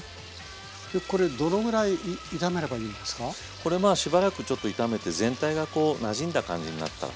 これまあしばらくちょっと炒めて全体がこうなじんだ感じになったら。